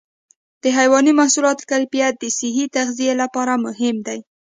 د حيواني محصولاتو کیفیت د صحي تغذیې لپاره مهم دی.